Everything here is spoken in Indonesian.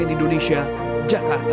tim cnn indonesia jakarta